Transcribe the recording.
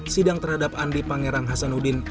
sidang terhadap andi pangeran hasanuddin